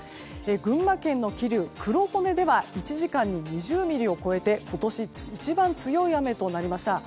群馬県の桐生、黒保根では１時間に２０ミリを超えて今年一番強い雨となりました。